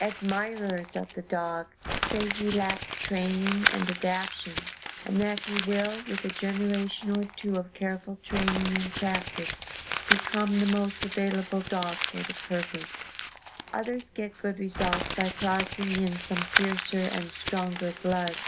Admirers of the dog say he lacks training and adaption and that he will with a generation or two of careful training and practice become the most available dog for the purpose. [Illustration: Termination of a Successful Chase.] Others get good results by crossing in some fiercer and stronger blood.